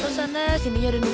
oh aku nggak peduli aku udah lihat